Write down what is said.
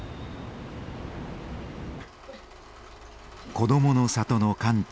「こどもの里」の館長